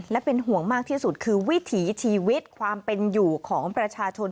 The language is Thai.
และเป็นห่วงมากที่สุดคือวิถีชีวิตความเป็นอยู่ของประชาชน